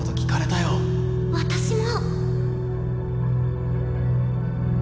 私も！